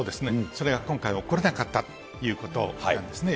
それが今回起こらなかったということなんですね。